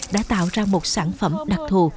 đã tạo ra một sản phẩm đặc thù